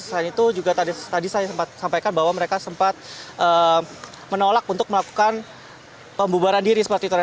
selain itu juga tadi saya sempat sampaikan bahwa mereka sempat menolak untuk melakukan pembubaran diri seperti itu